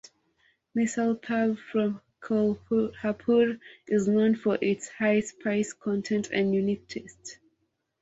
Misal pav from "Kolhapur" is known for its high spice content and unique taste.